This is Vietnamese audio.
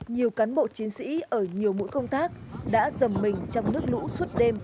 nhiều cán bộ chiến sĩ ở nhiều mũi công tác đã dầm mình trong nước lũ suốt đêm